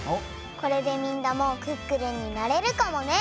これでみんなもクックルンになれるかもね！